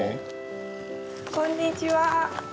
こんにちは。